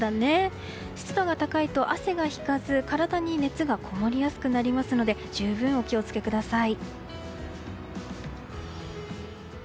湿度が高いと汗が引かず体に熱がこもりやすくなるので十分お気を付けください。